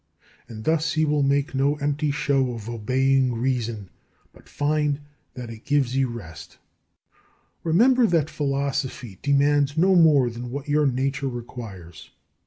And thus you will make no empty show of obeying reason; but find that it gives you rest. Remember that Philosophy demands no more than what your nature requires.